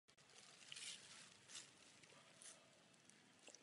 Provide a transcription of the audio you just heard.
Také to představuje ekonomické náklady, stejně jako všechny ostatní problémy.